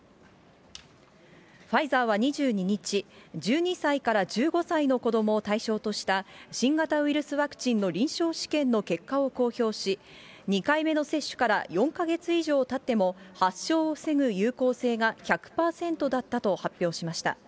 ファイザーは２２日、１２歳から１５歳の子どもを対象とした、新型ウイルスワクチンの臨床試験の結果を公表し、２回目の接種から４か月以上たっても、発症を防ぐ有効性が１００％だったと発表しました。